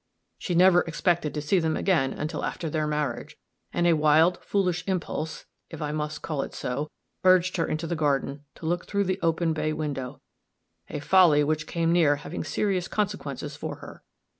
She never expected to see them again until after their marriage, and a wild, foolish impulse, if I must call it so, urged her into the garden, to look through the open bay window a folly which came near having serious consequences for her.